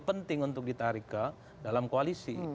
penting untuk ditarik ke dalam koalisi